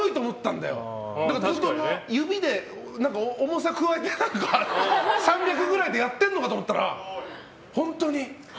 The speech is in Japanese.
だからずっと指で重さ加えて３００ぐらいでやってるのかと思ったら本当に。